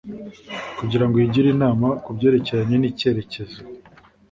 kugira ngo iyigire inama ku byerekeranye n’cyerekezo